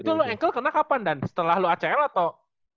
itu lu engkel kena kapan dan setelah lu acl atau